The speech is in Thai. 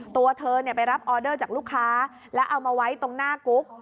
ตัวเธอไปรับออเดอร์จากลูกค้าแล้วเอามาไว้ตรงหน้ากุ๊ก